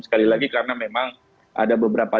sekali lagi karena memang ada beberapa